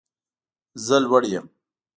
زه لوړ یم